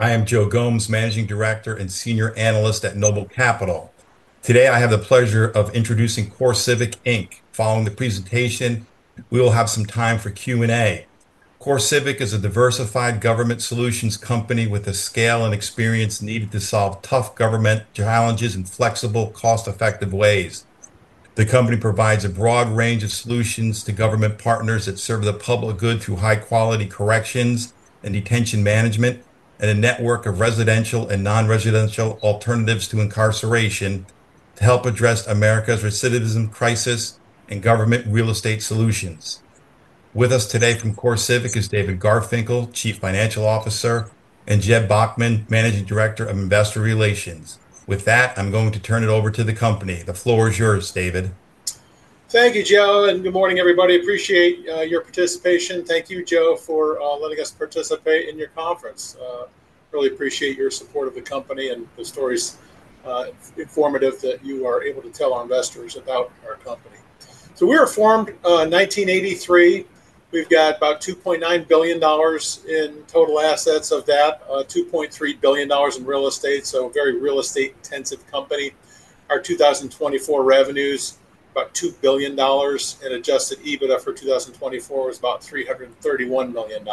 I am Joe Gomes, Managing Director and Senior Analyst at NOBLE Capital. Today, I have the pleasure of introducing CoreCivic Inc. Following the presentation, we will have some time for Q&A. CoreCivic is a diversified government solutions company with the scale and experience needed to solve tough government challenges in flexible, cost-effective ways. The company provides a broad range of solutions to government partners that serve the public good through high-quality corrections and detention management, and a network of residential and non-residential alternatives to incarceration to help address America's recidivism crisis and government real estate solutions. With us today from CoreCivic is David Garfinkle, Chief Financial Officer, and Jeb Bachmann, Managing Director of Investor Relations. With that, I'm going to turn it over to the company. The floor is yours, David. Thank you, Joe, and good morning, everybody. I appreciate your participation. Thank you, Joe, for letting us participate in your conference. I really appreciate your support of the company and the stories. It's informative that you are able to tell our investors about our company. We were formed in 1983. We've got about $2.9 billion in total assets, of that, $2.3 billion in real estate. A very real estate-intensive company. Our 2024 revenue is about $2 billion, and adjusted EBITDA for 2024 was about $331 million.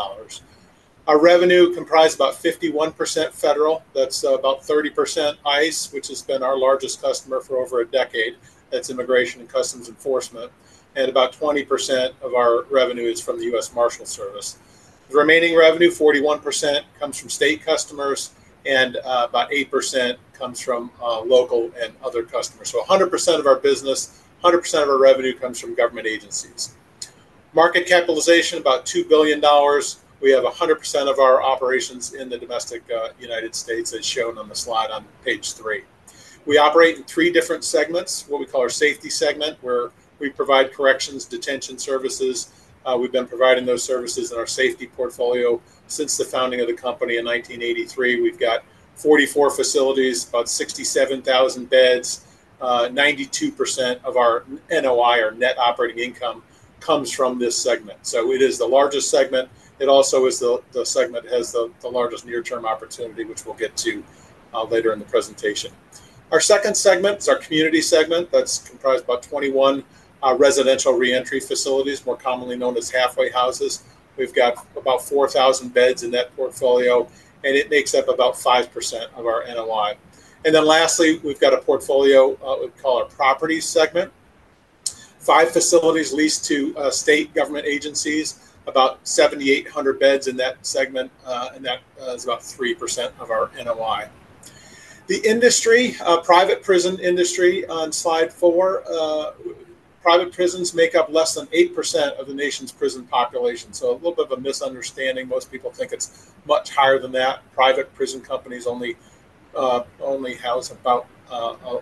Our revenue comprised about 51% federal, that's about 30% ICE, which has been our largest customer for over a decade. That's Immigration and Customs Enforcement. About 20% of our revenue is from the U.S. Marshals Service. The remaining revenue, 41%, comes from state customers, and about 8% comes from local and other customers. 100% of our business, 100% of our revenue comes from government agencies. Market capitalization is about $2 billion. We have 100% of our operations in the domestic United States, as shown on the slide on page three. We operate in three different segments, what we call our safety segment, where we provide corrections, detention services. We've been providing those services in our safety portfolio since the founding of the company in 1983. We've got 44 facilities, about 67,000 beds. 92% of our NOI, our net operating income, comes from this segment. It is the largest segment. It also is the segment that has the largest near-term opportunity, which we'll get to later in the presentation. Our second segment is our community segment. That's comprised of about 21 residential reentry facilities, more commonly known as halfway houses. We've got about 4,000 beds in that portfolio, and it makes up about 5% of our NOI. Lastly, we've got a portfolio we call our property segment. Five facilities leased to state government agencies, about 7,800 beds in that segment, and that is about 3% of our NOI. The industry, private prison industry on slide four, private prisons make up less than 8% of the nation's prison population. There is a little bit of a misunderstanding. Most people think it's much higher than that. Private prison companies only house about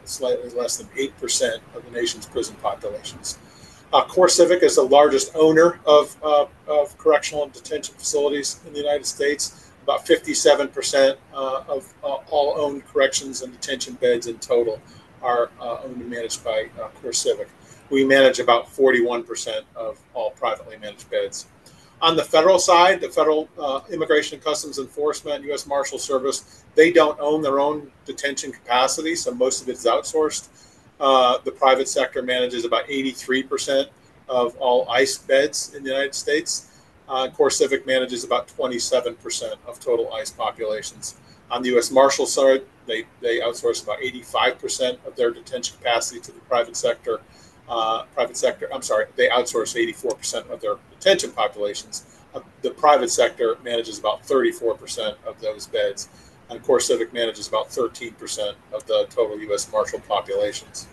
slightly less than 8% of the nation's prison populations. CoreCivic is the largest owner of correctional and detention facilities in the United States. About 57% of all owned corrections and detention beds in total are owned and managed by CoreCivic. We manage about 41% of all privately managed beds. On the federal side, the Federal Immigration and Customs Enforcement, U.S. Marshals Service, they don't own their own detention capacity, so most of it's outsourced. The private sector manages about 83% of all ICE beds in the United States. CoreCivic manages about 27% of total ICE populations. On the U.S. Marshals side, they outsource about 85% of their detention capacity to the private sector. I'm sorry, they outsource 84% of their detention populations. The private sector manages about 34% of those beds. CoreCivic manages about 13% of the total U.S. Marshals populations.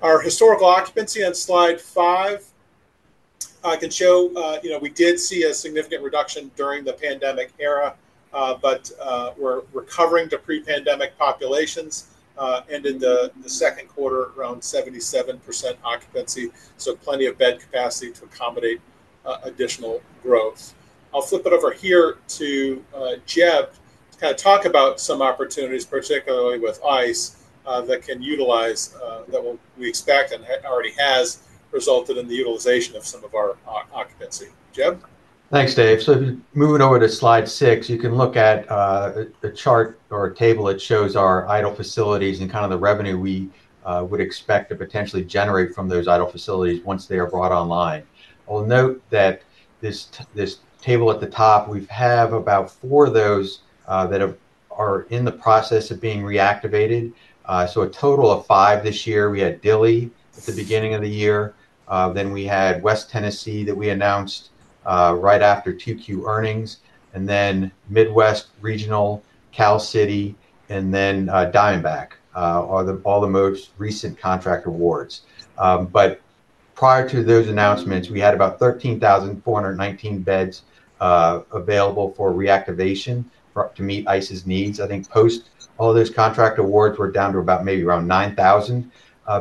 Our historical occupancy on slide five can show, you know, we did see a significant reduction during the pandemic era, but we're recovering to pre-pandemic populations. In the second quarter, around 77% occupancy. Plenty of bed capacity to accommodate additional growth. I'll flip it over here to Jeb to kind of talk about some opportunities, particularly with ICE, that can utilize, that we expect and already has resulted in the utilization of some of our occupancy. Jeb? Thanks, Dave. If you're moving over to slide six, you can look at a chart or a table that shows our idle facilities and kind of the revenue we would expect to potentially generate from those idle facilities once they are brought online. I will note that this table at the top, we have about four of those that are in the process of being reactivated. A total of five this year. We had Dilley at the beginning of the year. We had West Tennessee that we announced right after Q2 earnings. Midwest Regional, Cal City, and Diamondback are all the most recent contract awards. Prior to those announcements, we had about 13,419 beds available for reactivation to meet ICE's needs. I think post all those contract awards, we're down to maybe around 9,000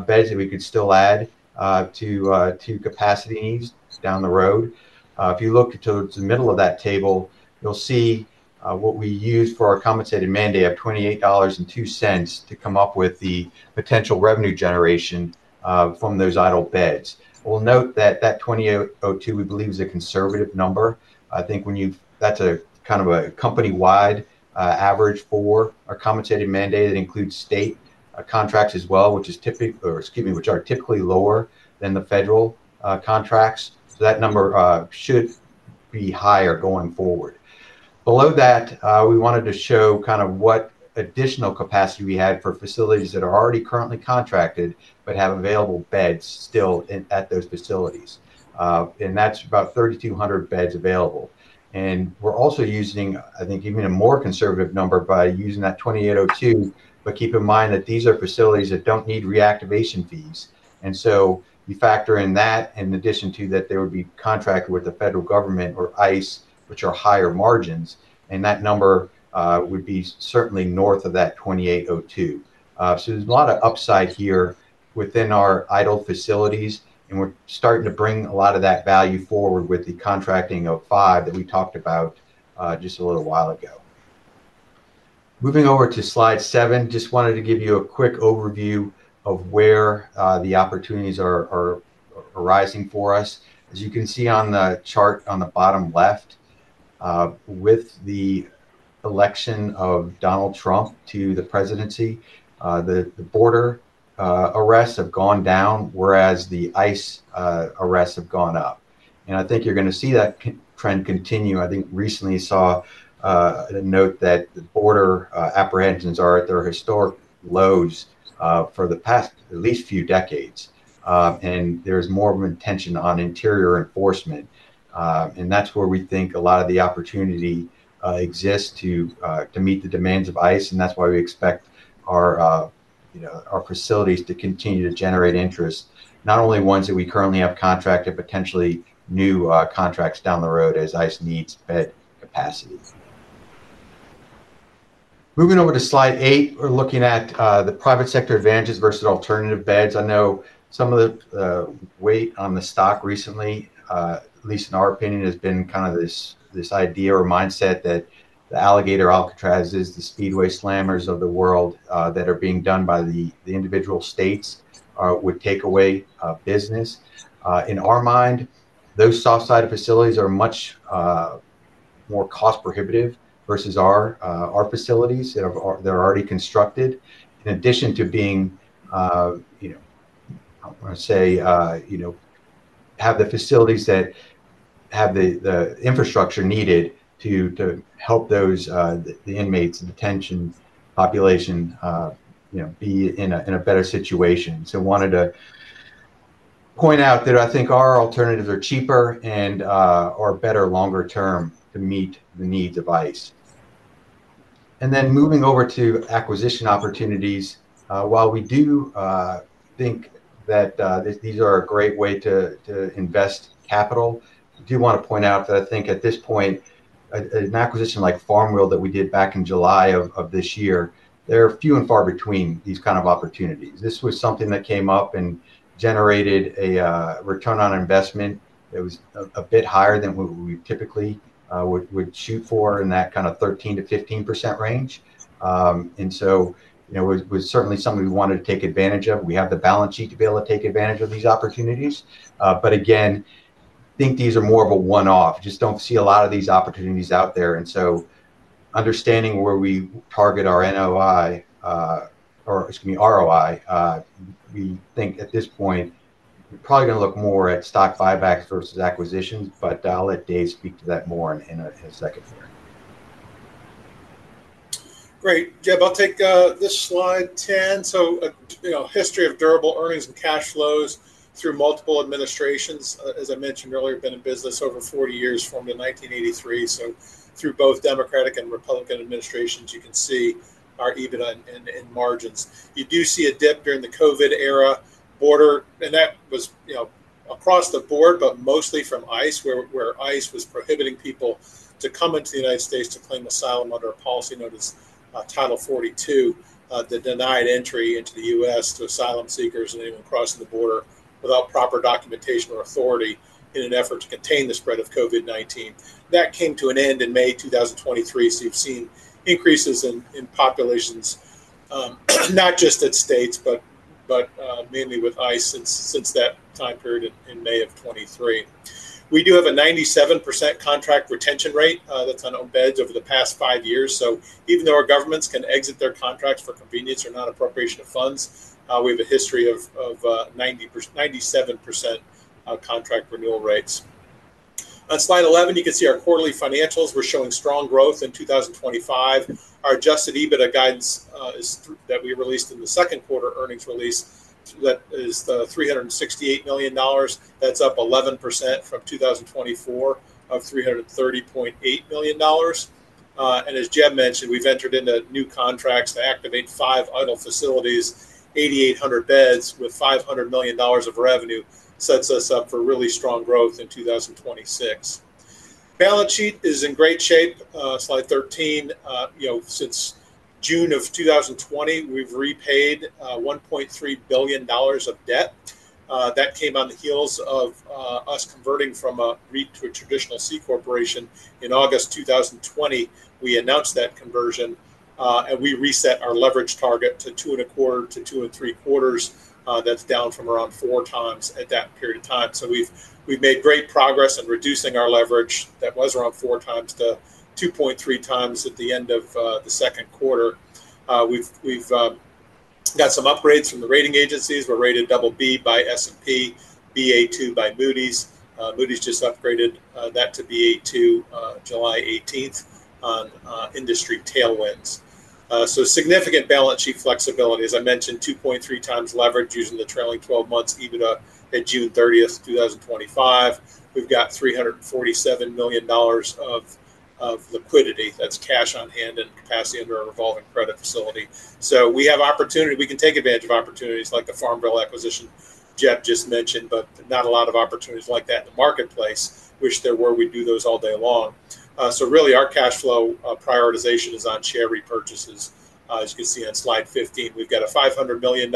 beds that we could still add to capacity needs down the road. If you look to the middle of that table, you'll see what we used for our compensated mandate of $28.02 to come up with the potential revenue generation from those idle beds. We'll note that $28.02 we believe is a conservative number. I think that's kind of a company-wide average for our compensated mandate that includes state contracts as well, which are typically lower than the federal contracts. That number should be higher going forward. Below that, we wanted to show what additional capacity we had for facilities that are already currently contracted but have available beds still at those facilities. That's about 3,200 beds available. We're also using, I think, even a more conservative number by using that $28.02. Keep in mind that these are facilities that don't need reactivation fees. You factor in that, in addition to that, they would be contracted with the federal government or ICE, which are higher margins. That number would be certainly north of $28.02. There's a lot of upside here within our idle facilities. We're starting to bring a lot of that value forward with the contracting of five that we talked about just a little while ago. Moving over to slide seven, just wanted to give you a quick overview of where the opportunities are arising for us. As you can see on the chart on the bottom left, with the election of Donald Trump to the presidency, the border arrests have gone down, whereas the ICE arrests have gone up. I think you're going to see that trend continue. I think recently you saw a note that border apprehensions are at their historic lows for the past at least few decades. There's more of an intention on interior enforcement. That's where we think a lot of the opportunity exists to meet the demands of ICE. That's why we expect our facilities to continue to generate interest, not only ones that we currently have contracted, potentially new contracts down the road as ICE needs bed capacity. Moving over to slide eight, we're looking at the private sector advantages versus alternative beds. I know some of the weight on the stock recently, at least in our opinion, has been kind of this idea or mindset that the Alcatrazes, the speedway slammers of the world that are being done by the individual states would take away business. In our mind, those soft-sided facilities are much more cost-prohibitive versus our facilities that are already constructed. In addition to being, you know, I want to say, you know, have the facilities that have the infrastructure needed to help those, the inmates, detention population, you know, be in a better situation. I wanted to point out that I think our alternatives are cheaper and are better longer term to meet the needs of ICE. Moving over to acquisition opportunities, while we do think that these are a great way to invest capital, I do want to point out that I think at this point, an acquisition like Farmville that we did back in July of this year, they're few and far between these kinds of opportunities. This was something that came up and generated a return on investment that was a bit higher than what we typically would shoot for in that kind of 13%-15% range. It was certainly something we wanted to take advantage of. We have the balance sheet to be able to take advantage of these opportunities. Again, I think these are more of a one-off. Just don't see a lot of these opportunities out there. Understanding where we target our ROI, we think at this point, we're probably going to look more at stock buybacks versus acquisitions. I'll let Dave speak to that more in a second there. Great. Jeb, I'll take this slide 10. So, you know, history of durable earnings and cash flows through multiple administrations. As I mentioned earlier, I've been in business over 40 years from the 1983. So, through both Democratic and Republican administrations, you can see our EBITDA in margins. You do see a dip during the COVID era, border, and that was, you know, across the board, but mostly from ICE, where ICE was prohibiting people to come into the United States to claim asylum under a policy known as Title 42 that denied entry into the U.S. to asylum seekers and anyone crossing the border without proper documentation or authority in an effort to contain the spread of COVID-19. That came to an end in May 2023. You've seen increases in populations, not just at states, but mainly with ICE since that time period in May of 2023. We do have a 97% contract retention rate that's on all beds over the past five years. Even though our governments can exit their contracts for convenience or non-appropriation of funds, we have a history of 97% contract renewal rates. On slide 11, you can see our quarterly financials. We're showing strong growth in 2025. Our adjusted EBITDA guidance is that we released in the second quarter earnings release. That is the $368 million. That's up 11% from 2024 of $330.8 million. As Jeb mentioned, we've entered into new contracts to activate five idle facilities, 8,800 beds with $500 million of revenue, sets us up for really strong growth in 2026. Balance sheet is in great shape. Slide 13. Since June of 2020, we've repaid $1.3 billion of debt. That came on the heels of us converting from a REIT to a traditional C corporation in August 2020. We announced that conversion, and we reset our leverage target to 2.25x-2.75x. That's down from around 4x at that period of time. We've made great progress in reducing our leverage. That was around 4x to 2.3x at the end of the second quarter. We've got some upgrades from the rating agencies. We're rated BB by S&P, Ba2 by Moody's. Moody's just upgraded that to Ba2 July 18th on industry tailwinds. Significant balance sheet flexibility. As I mentioned, 2.3x leverage using the trailing 12 months EBITDA at June 30th, 2025. We've got $347 million of liquidity. That's cash on hand and capacity under our revolving credit facility. We have opportunity. We can take advantage of opportunities like the Farmville acquisition Jeb just mentioned, but not a lot of opportunities like that in the marketplace, which there were. We do those all day long. Really, our cash flow prioritization is on share repurchases. As you can see on slide 15, we've got a $500 million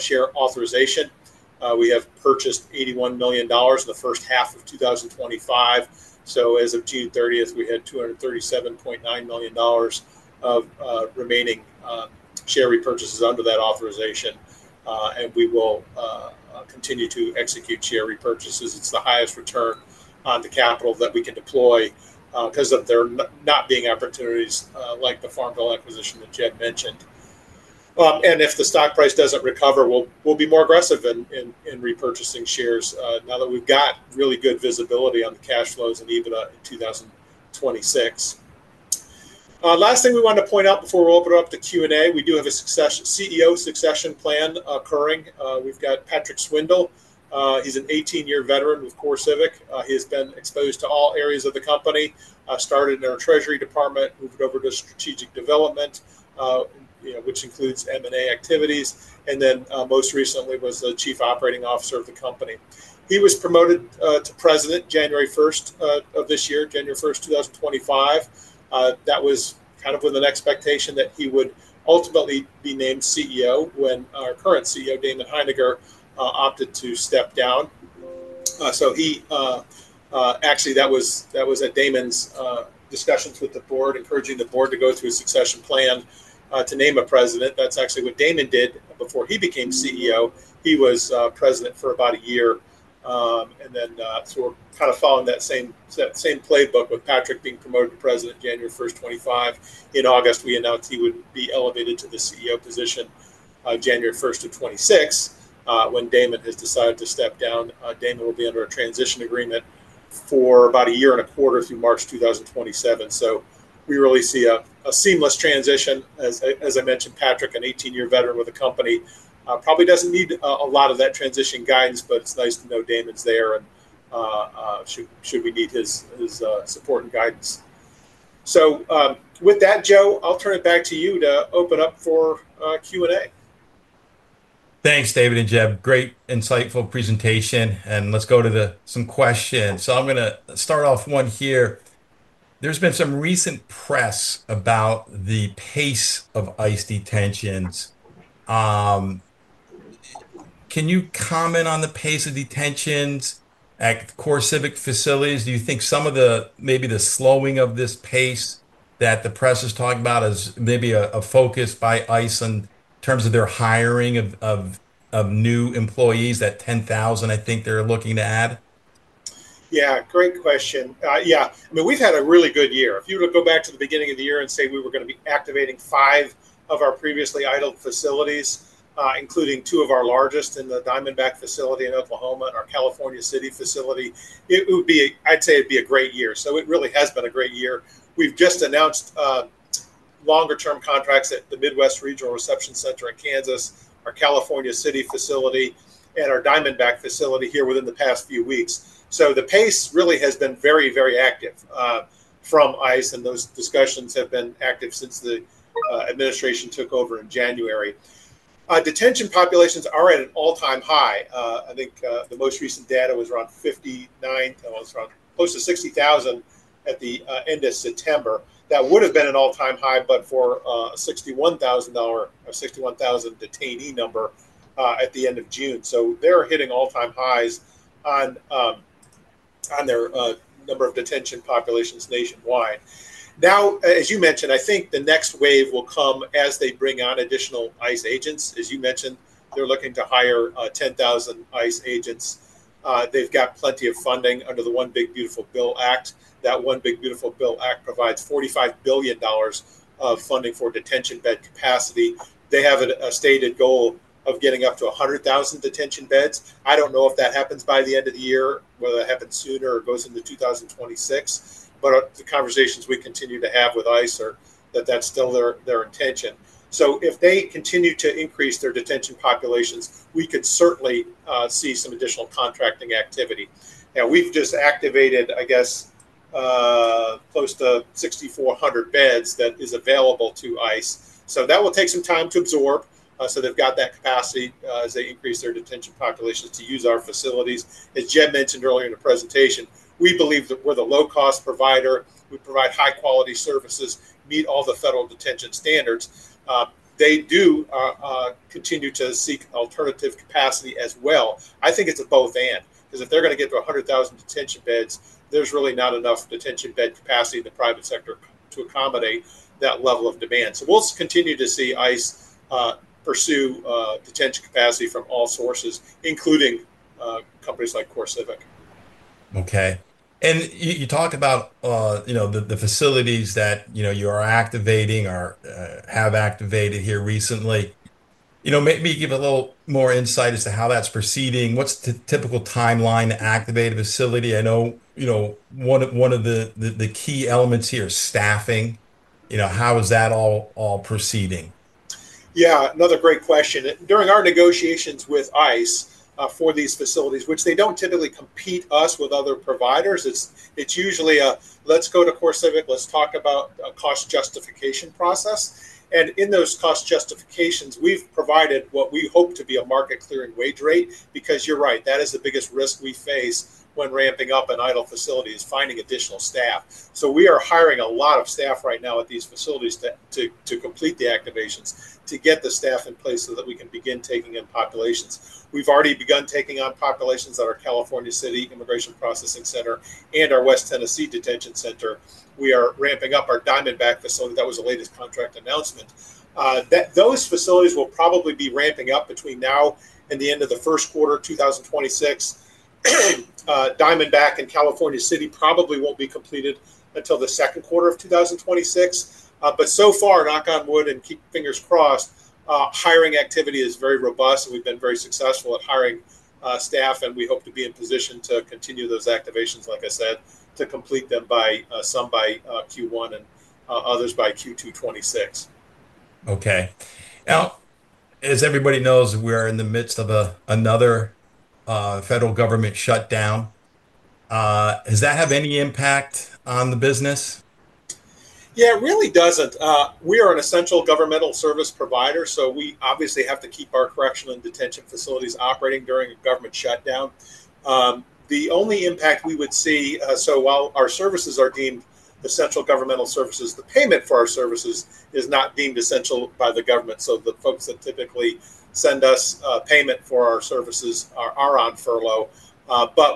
share authorization. We have purchased $81 million in the first half of 2025. As of June 30th, we had $237.9 million of remaining share repurchases under that authorization. We will continue to execute share repurchases. It's the highest return on the capital that we can deploy because of there not being opportunities like the Farmville acquisition that Jeb mentioned. If the stock price doesn't recover, we'll be more aggressive in repurchasing shares now that we've got really good visibility on the cash flows and EBITDA in 2026. Last thing we wanted to point out before we open up the Q&A, we do have a CEO succession plan occurring. We've got Patrick Swindle. He's an 18-year veteran with CoreCivic. He's been exposed to all areas of the company, started in our Treasury Department, moved over to Strategic Development, which includes M&A activities. Most recently, he was the Chief Operating Officer of the company. He was promoted to President January 1st of this year, January 1st, 2025. That was kind of with an expectation that he would ultimately be named CEO when our current CEO, Damon Hininger, opted to step down. That was at Damon's discussions with the board, encouraging the board to go through a succession plan to name a President. That's actually what Damon did before he became CEO. He was President for about a year. We're kind of following that same playbook with Patrick being promoted to President January 1st, 2025. In August, we announced he would be elevated to the CEO position January 1st of 2026. When Damon has decided to step down, Damon will be under a transition agreement for about a year and a quarter through March 2027. We really see a seamless transition. As I mentioned, Patrick, an 18-year veteran with the company, probably doesn't need a lot of that transition guidance, but it's nice to know Damon's there should we need his support and guidance. With that, Joe, I'll turn it back to you to open up for Q&A. Thanks, David and Jeb. Great insightful presentation. Let's go to some questions. I'm going to start off one here. There's been some recent press about the pace of ICE detentions. Can you comment on the pace of detentions at CoreCivic facilities? Do you think some of the, maybe the slowing of this pace that the press is talking about is maybe a focus by ICE in terms of their hiring of new employees? That 10,000, I think they're looking to add. Yeah, great question. I mean, we've had a really good year. If you were to go back to the beginning of the year and say we were going to be activating five of our previously idle facilities, including two of our largest in the Diamondback facility in Oklahoma and our California City facility, it would be, I'd say it'd be a great year. It really has been a great year. We've just announced longer-term contracts at the Midwest Regional Reception Center in Kansas, our California City facility, and our Diamondback facility here within the past few weeks. The pace really has been very, very active from ICE, and those discussions have been active since the administration took over in January. Detention populations are at an all-time high. I think the most recent data was around 59,000, almost around close to 60,000 at the end of September. That would have been an all-time high, but for a $61,000 detainee number at the end of June. They're hitting all-time highs on their number of detention populations nationwide. As you mentioned, I think the next wave will come as they bring on additional ICE agents. As you mentioned, they're looking to hire 10,000 ICE agents. They've got plenty of funding under the One Big Beautiful Bill Act. That One Big Beautiful Bill Act provides $45 billion of funding for detention bed capacity. They have a stated goal of getting up to 100,000 detention beds. I don't know if that happens by the end of the year, whether that happens sooner or goes into 2026. The conversations we continue to have with ICE are that that's still their intention. If they continue to increase their detention populations, we could certainly see some additional contracting activity. We've just activated, I guess, close to 6,400 beds that are available to ICE. That will take some time to absorb. They've got that capacity as they increase their detention populations to use our facilities. As Jeb mentioned earlier in the presentation, we believe that we're the low-cost provider. We provide high-quality services, meet all the federal detention standards. They do continue to seek alternative capacity as well. I think it's a both/and. If they're going to get to 100,000 detention beds, there's really not enough detention bed capacity in the private sector to accommodate that level of demand. We'll continue to see ICE pursue detention capacity from all sources, including companies like CoreCivic. Okay. You talked about the facilities that you are activating or have activated here recently. Maybe give a little more insight as to how that's proceeding. What's the typical timeline to activate a facility? I know one of the key elements here is staffing. How is that all proceeding? Yeah, another great question. During our negotiations with ICE for these facilities, which they don't typically compete us with other providers, it's usually a, let's go to CoreCivic, let's talk about a cost justification process. In those cost justifications, we've provided what we hope to be a market-clearing wage rate, because you're right, that is the biggest risk we face when ramping up an idle facility is finding additional staff. We are hiring a lot of staff right now at these facilities to complete the activations, to get the staff in place so that we can begin taking in populations. We've already begun taking on populations at our California City Immigration Processing Center and our West Tennessee Detention Center. We are ramping up our Diamondback facility. That was the latest contract announcement. These facilities will probably be ramping up between now and the end of the first quarter of 2026. Diamondback and California City probably won't be completed until the second quarter of 2026. So far, knock on wood and keep fingers crossed, hiring activity is very robust and we've been very successful at hiring staff and we hope to be in position to continue those activations, like I said, to complete them by some by Q1 and others by Q2 of '26. Okay. Now, as everybody knows, we're in the midst of another federal government shutdown. Does that have any impact on the business? Yeah, it really doesn't. We are an essential governmental service provider, so we obviously have to keep our correctional and detention facilities operating during a government shutdown. The only impact we would see, while our services are deemed essential governmental services, is the payment for our services is not deemed essential by the government. The folks that typically send us payment for our services are on furlough.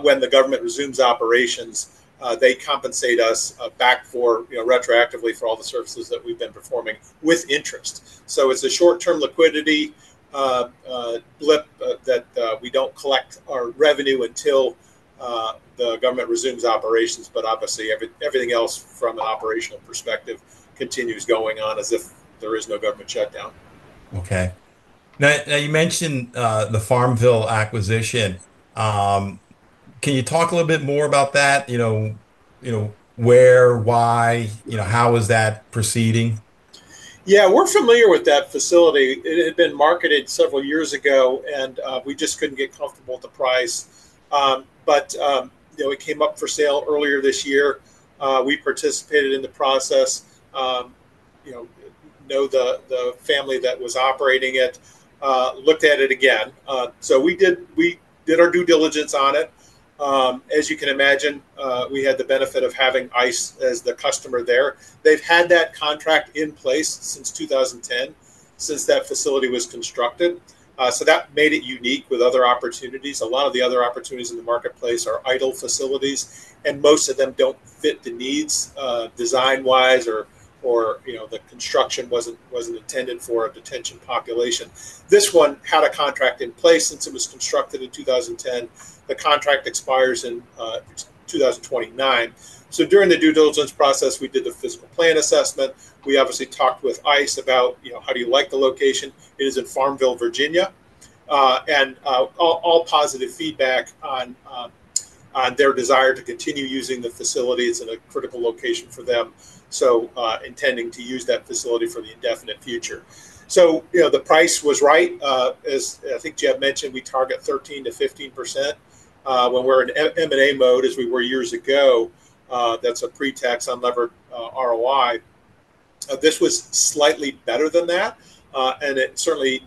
When the government resumes operations, they compensate us back retroactively for all the services that we've been performing with interest. It's a short-term liquidity blip that we don't collect our revenue until the government resumes operations. Obviously, everything else from an operational perspective continues going on as if there is no government shutdown. Okay. Now, you mentioned the Farmville acquisition. Can you talk a little bit more about that? You know, where, why, how is that proceeding? Yeah, we're familiar with that facility. It had been marketed several years ago, and we just couldn't get comfortable with the price. It came up for sale earlier this year. We participated in the process. The family that was operating it looked at it again. We did our due diligence on it. As you can imagine, we had the benefit of having ICE as the customer there. They've had that contract in place since 2010, since that facility was constructed. That made it unique with other opportunities. A lot of the other opportunities in the marketplace are idle facilities, and most of them don't fit the needs design-wise or the construction wasn't intended for a detention population. This one had a contract in place since it was constructed in 2010. The contract expires in 2029. During the due diligence process, we did the physical plant assessment. We obviously talked with ICE about how do you like the location. It is in Farmville, Virginia. All positive feedback on their desire to continue using the facility. It's in a critical location for them, intending to use that facility for the indefinite future. The price was right. As I think Jeb mentioned, we target 13%-15% when we're in M&A mode, as we were years ago. That's a pre-tax unlevered ROI. This was slightly better than that. It certainly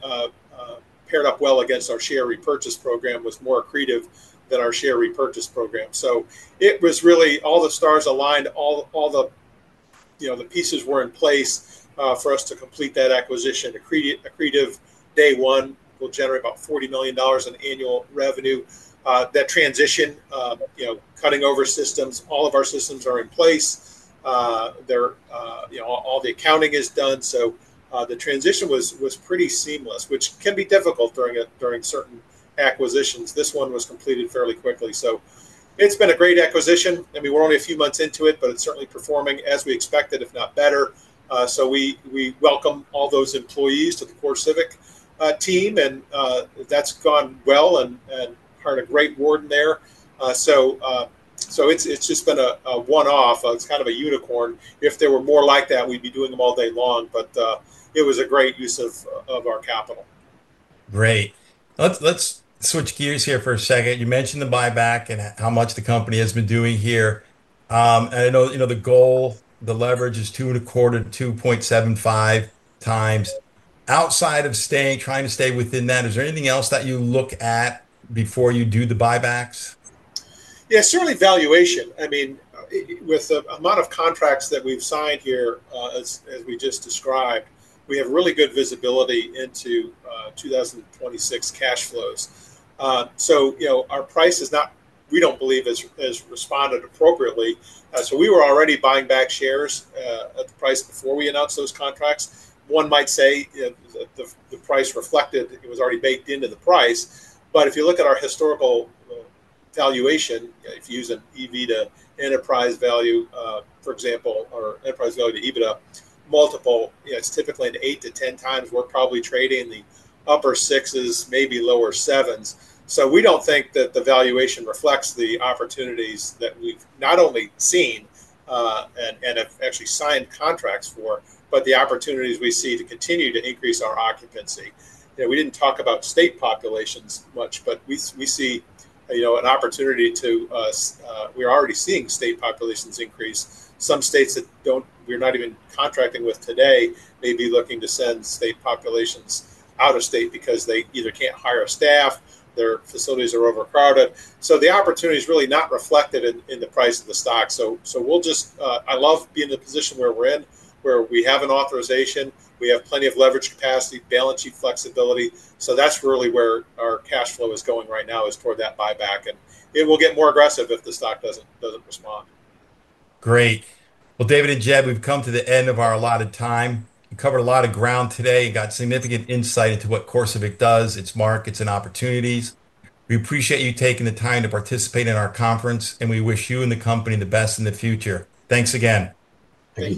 paired up well against our share repurchase program, was more accretive than our share repurchase program. All the stars aligned, all the pieces were in place for us to complete that acquisition. Accretive day one, will generate about $40 million in annual revenue. That transition, cutting over systems, all of our systems are in place. All the accounting is done. The transition was pretty seamless, which can be difficult during certain acquisitions. This one was completed fairly quickly. It's been a great acquisition. We're only a few months into it, but it's certainly performing as we expected, if not better. We welcome all those employees to the CoreCivic team, and that's gone well and earned a great warden there. It's just been a one-off. It's kind of a unicorn. If there were more like that, we'd be doing them all day long. It was a great use of our capital. Great. Let's switch gears here for a second. You mentioned the buyback and how much the company has been doing here. I know the goal, the leverage is 2.75x. Outside of trying to stay within that, is there anything else that you look at before you do the buybacks? Yeah, certainly valuation. I mean, with the amount of contracts that we've signed here, as we just described, we have really good visibility into 2026 cash flows. Our price is not, we don't believe, has responded appropriately. We were already buying back shares at the price before we announced those contracts. One might say the price reflected it was already baked into the price. If you look at our historical valuation, if you use an enterprise value to adjusted EBITDA multiple, it's typically 8x-10x. We're probably trading the upper sixes, maybe lower sevens. We don't think that the valuation reflects the opportunities that we've not only seen and have actually signed contracts for, but the opportunities we see to continue to increase our occupancy. We didn't talk about state populations much, but we see an opportunity to, we're already seeing state populations increase. Some states that we're not even contracting with today may be looking to send state populations out of state because they either can't hire staff or their facilities are overcrowded. The opportunity is really not reflected in the price of the stock. I love being in the position where we're in, where we have an authorization, we have plenty of leverage capacity, balance sheet flexibility. That's really where our cash flow is going right now is toward that buyback, and it will get more aggressive if the stock doesn't respond. Great. David and Jeb, we've come to the end of our allotted time. We covered a lot of ground today and got significant insight into what CoreCivic does, its markets, and opportunities. We appreciate you taking the time to participate in our conference, and we wish you and the company the best in the future. Thanks again. Thank you.